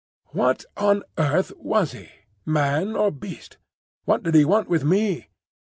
What on earth was he,—man or beast? What did he want with me?